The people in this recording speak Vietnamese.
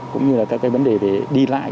cũng như là các vấn đề về đi lại